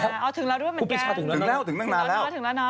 ดูพอก่อนพอต้องรอแถงข่าว